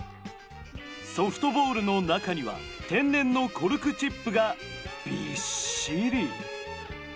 ソフトボールの中には天然のコルクチップがびっしり。